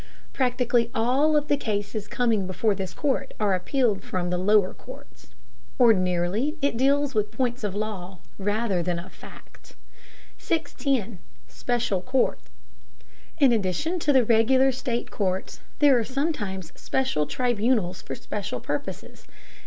Practically all of the cases coming before this court are appealed from the lower courts. Ordinarily it deals with points of law rather than of fact. 610. SPECIAL COURTS. In addition to the regular state courts there are sometimes special tribunals for special purposes.